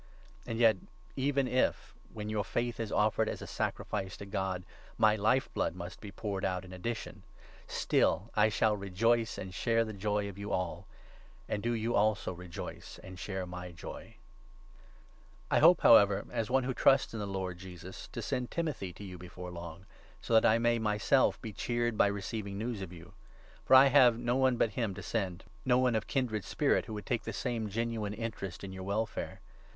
And 17 yet, even if, when your faith is offered as a sacrifice to God, my life blood must be poured out in addition, still I shall rejoice and share the joy of you all ; and do you also rejoice and share 18 my joy. IV. — PERSONAL PLANS. I hope, however, as one who trusts in the Lord 19 Timothy. jesuS; fO send Timothy to you before long, so that I may myself be cheered by receiving news of you. For 20 I have no one but him to send — no one of kindred spirit who would take the same genuine interest in your welfare.